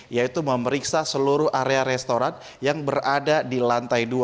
yaitu memeriksa seluruh area restoran yang berada di lantai dua